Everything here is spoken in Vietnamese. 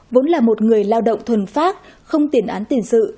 vốn là một người lao động thuần pháp không tiền án tiền sự